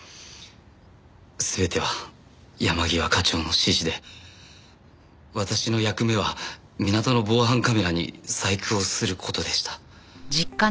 全ては山際課長の指示で私の役目は港の防犯カメラに細工をする事でした。